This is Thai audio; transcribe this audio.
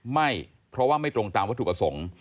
ไม่เพราะไม่ตรงตามว่าถูกอส่ง